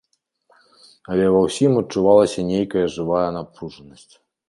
Але ва ўсім адчувалася нейкая жывая напружанасць.